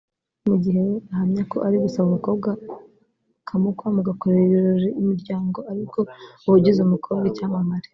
mu gihe we ahamya ko ari gusaba umukobwa ukamukwa mugakorera ibirori imiryango ari bwo uba ugize umukobwa icyamamare